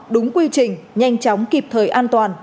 đúng quy trình nhanh chóng kịp thời an toàn